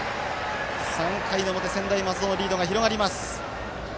３回の表、専大松戸のリードが広がります。